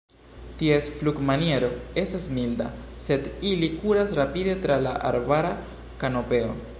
Ties flugmaniero estas milda, sed ili kuras rapide tra la arbara kanopeo.